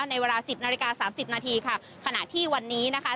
ในเวลาสิบนาฬิกาสามสิบนาทีค่ะขณะที่วันนี้นะคะ